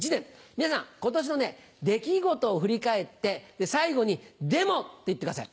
皆さん今年のね出来事を振り返って最後に「でも」って言ってください。